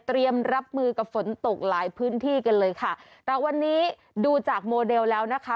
รับมือกับฝนตกหลายพื้นที่กันเลยค่ะแต่วันนี้ดูจากโมเดลแล้วนะคะ